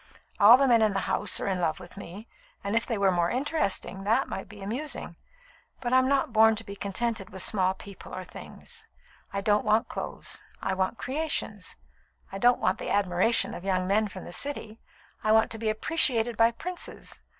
All the men in the house are in love with me; and if they were more interesting, that might be amusing. But I'm not born to be contented with small people or things. I don't want clothes. I want creations. I don't want the admiration of young men from the City. I want to be appreciated by princes.